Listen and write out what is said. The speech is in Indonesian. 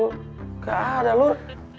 nggak ada lur